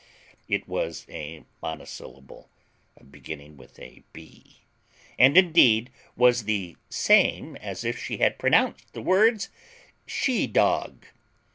It was a monosyllable beginning with a b , and indeed was the same as if she had pronounced the words, she dog.